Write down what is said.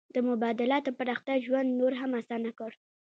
د مبادلاتو پراختیا ژوند نور هم اسانه کړ.